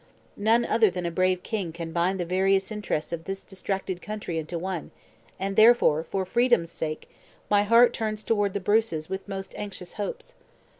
None other than a brave king can bind the various interests of this distracted country into one; and therefore, for fair Freedom's sake, my heart turns toward the Bruces with most anxious hopes."